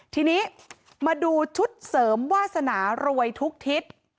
ทีนี้มาดูชุดเสริมวาสนารวยทุกทิศ